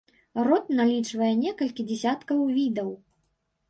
Род налічвае некалькі дзесяткаў відаў.